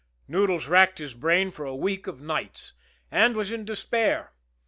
Noodles racked his brain for a week of nights and was in despair.